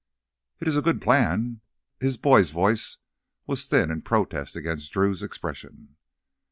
"It is a good plan!" His boy's voice was thin in protest against Drew's expression.